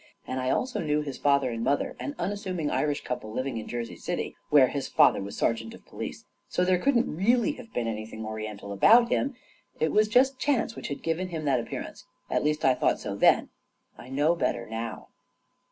And I also knew his father and mother, an unassuming Irish couple living in Jersey City, where his father was sergeant of police. So there couldn't really have been anything Oriental about him ; it was just chance which had given him that appear ance. At least, so I thought then. I know better now.